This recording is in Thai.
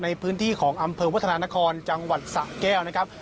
ในพื้นที่ของอำเภอวัฒนานครจังหวัดสะแก้วนะครับ